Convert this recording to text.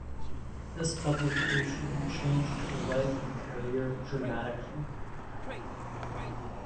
This publication changed her life and career dramatically.